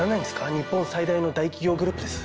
日本最大の大企業グループです。